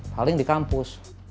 paling di kampus